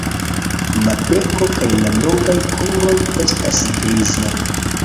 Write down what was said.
La beko kaj la longaj kruroj estas grizaj.